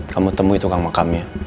kamu temui tukang makamnya